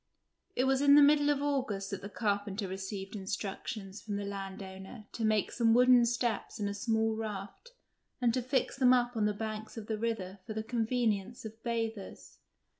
It was in the middle of August that the carpenter received instructions from the landowner to make some wooden steps and a small raft and to fix them up on the banks of the river for the convenience of bathers.